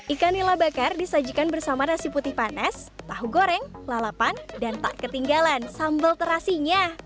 ikan nila bakar disajikan bersama nasi putih panas tahu goreng lalapan dan tak ketinggalan sambal terasinya